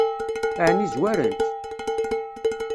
Ɛni zwaren-k?